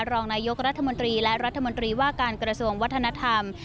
รองนายกรัฐมนตรีและรัฐมนตรีว่าการกระทรวงวัฒนธรรม